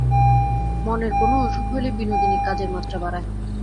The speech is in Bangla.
মনের কোনো অসুখ হইলে বিনোদিনী কাজের মাত্রা বাড়ায়।